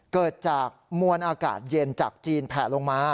เกิดจากมวลอากาศเย็นจากจีนแผลลงมา